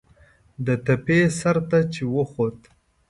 د تپې سر ته چې وخوت.